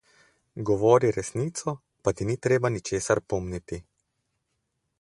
Govori resnico, pa ti ni treba ničesar pomniti.